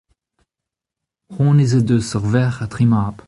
honnezh he deus ur verc'h ha tri mab.